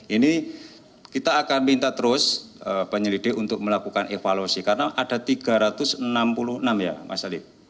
ini kita akan minta terus penyelidik untuk melakukan evaluasi karena ada tiga ratus enam puluh enam ya mas ali